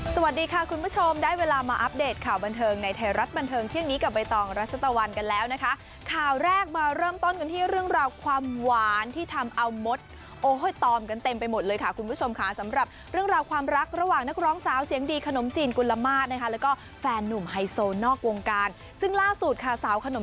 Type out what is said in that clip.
สวัสดีค่ะคุณผู้ชมได้เวลามาอัปเดตข่าวบันเทิงในไทยรัฐบันเทิงเที่ยงนี้กับใบตองรัชตะวันกันแล้วนะคะข่าวแรกมาเริ่มต้นกันที่เรื่องราวความหวานที่ทำเอามดโอ้ยตอมกันเต็มไปหมดเลยค่ะคุณผู้ชมค่ะสำหรับเรื่องราวความรักระหว่างนักร้องสาวเสียงดีขนมจีนกุลมาตรนะคะแล้วก็แฟนหนุ่มไฮโซนอกวงการซึ่งล่าสุดค่ะสาวขนม